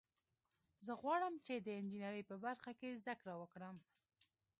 زه غواړم چې د انجینرۍ په برخه کې زده کړه وکړم